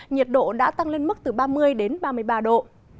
nhiệt độ đã tăng lên mức từ ba mươi đến ba mươi ba độ